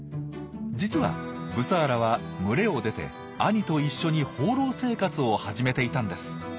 実はブサーラは群れを出て兄と一緒に放浪生活を始めていたんです。